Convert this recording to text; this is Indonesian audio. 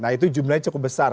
nah itu jumlahnya cukup besar